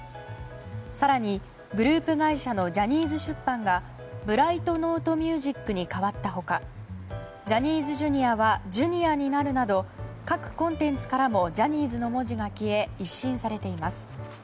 更にグループ会社のジャニーズ出版がブライト・ノート・ミュージックに変わった他ジャニーズＪｒ．はジュニアになるなど各コンテンツからもジャニーズの文字が消え一新されています。